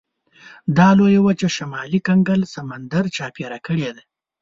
دا لویه وچه شمالي کنګل سمندر چاپېره کړې ده.